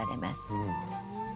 うん。